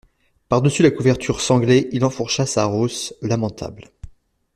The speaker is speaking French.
Par-dessus la couverture sanglée, il enfourcha sa rosse lamentable.